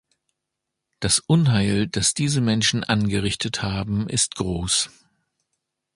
Das Unheil, das diese Menschen angerichtet haben, ist groß.